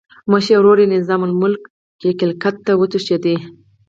مشر ورور یې نظام الملک ګیلګیت ته وتښتېد.